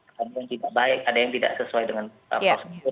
ada yang tidak baik ada yang tidak sesuai dengan prosedur